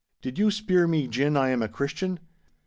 'Do you speer me gin I am a Christian?